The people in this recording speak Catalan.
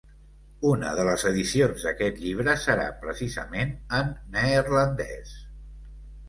Una de les edicions d’aquest llibre serà precisament en neerlandès.